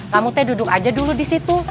kamu teh duduk aja dulu di situ